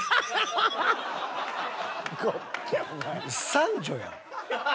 三女やん。